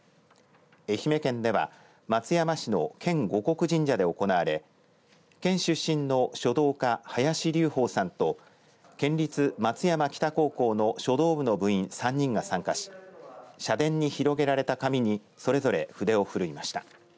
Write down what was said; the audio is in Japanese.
愛媛県では松山市の県護国神社で行われ県出身の書道家林龍峯さんと県立松山北高校の書道部の部員３人が参加し社殿に広げられた紙にそれぞれ筆を振るいました。